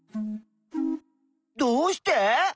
どうして？